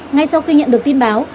ngay sau khi nhận được tin báo